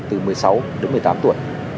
từ một mươi sáu đến một mươi tám tuổi